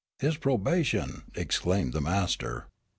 "His probation!" exclaimed the master.